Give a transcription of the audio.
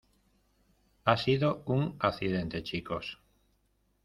Ha sido un accidente, chicos.